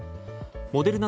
モデルナ